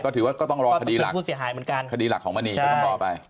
ก็ถือว่าก็ต้องรอคดีหลักคดีหลักของมะนีก็ต้องรอไป